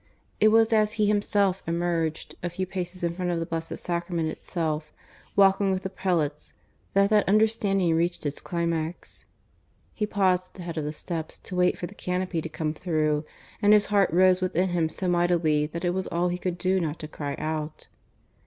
It was as he himself emerged, a few paces in front of the Blessed Sacrament Itself, walking with the prelates, that that understanding reached its climax. He paused at the head of the steps, to wait for the canopy to come through, and his heart rose within him so mightily that it was all he could do not to cry out.